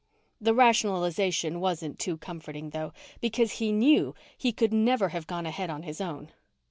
The rationalization wasn't too comforting, though, because he knew he could never have gone ahead on his own.